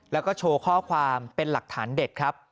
แล้วก็โชว์ข้อความเป็นหลักฐานเด็ดครับ